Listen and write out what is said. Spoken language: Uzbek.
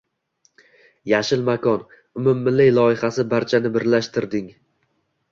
“Yashil makon” umummilliy loyihasi barchani birlashtirding